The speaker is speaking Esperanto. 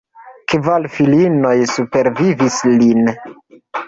Kvar filinoj supervivis lin.